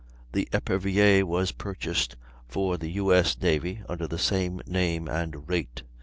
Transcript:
The Epervier was purchased for the U.S. navy, under the same name and rate.